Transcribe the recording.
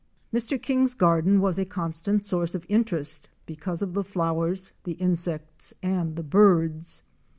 Mr King's garden was a constant source of interest be cause of the flowers, the insects and the birds.